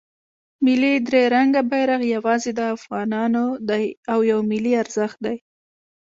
ملی درې رنګه بیرغ یواځې د افغانانو دی او یو ملی ارزښت دی.